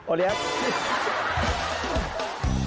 โอเลี้ยง